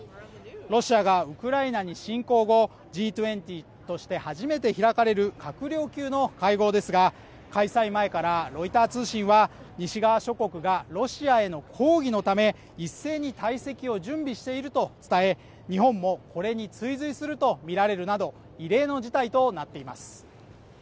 ロシアがウクライナに侵攻後、Ｇ２０として初めて開かれる閣僚級の会合ですが、開催前からロイター通信は、西側諸国がロシアへの抗議のため一斉に退席を準備していると伝え、日本もこれに追随するとみられるなど異例の事態となっています。